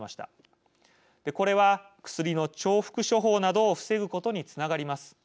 これは薬の重複処方などを防ぐことにつながります。